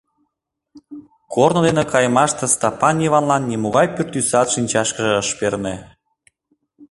Корно дене кайымаште Стапан Йыванлан нимогай пӱртӱсат шинчашкыже ыш перне.